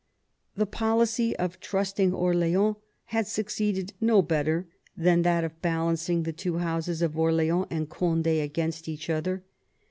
The policy of trusting Orleans had suc ceeded no better than that of balancing the two houses of Orleans and Cond^ against each other.